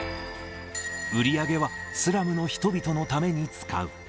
売り上げはスラムの人々のために使う。